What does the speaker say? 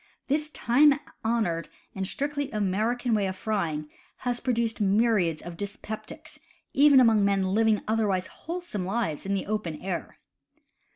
This time honored and strictly American way of frying has pro duced myriads of dyspeptics, even among men living otherwise wholesome lives in the open air!